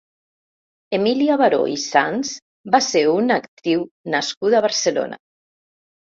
Emília Baró i Sanz va ser una actriu nascuda a Barcelona.